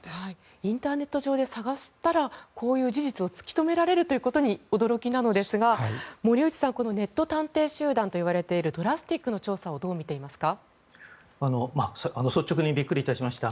インターネット上で探したら、こういう事実を突き止められることに驚きなのですが森内さん、ネット探偵集団といわれているＤＲＡＳＴＩＣの調査を率直にビックリ致しました。